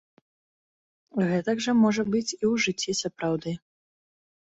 Гэтак жа можа быць i ў жыццi сапраўды!..